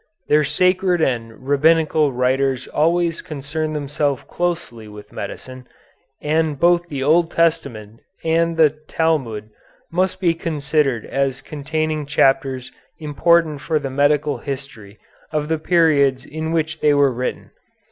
Their sacred and rabbinical writers always concerned themselves closely with medicine, and both the Old Testament and the Talmud must be considered as containing chapters important for the medical history of the periods in which they were written.